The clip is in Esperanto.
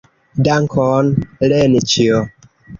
Dankon, Lenĉjo.